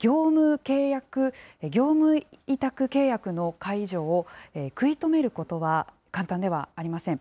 業務委託契約の解除を食い止めることは、簡単ではありません。